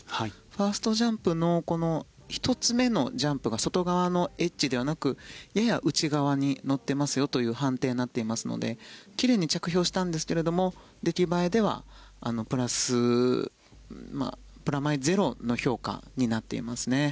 ファーストジャンプの１つ目のジャンプが外側のエッジではなくやや内側に乗っていますよという判定になっていますので奇麗に着氷したんですが出来栄えではプラマイゼロの評価になっていますね。